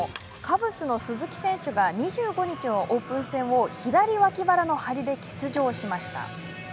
カブスの鈴木選手が２５日のオープン戦を左脇腹の張りで欠場しました。